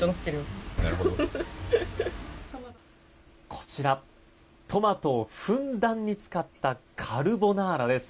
こちら、トマトをふんだんに使ったカルボナーラです。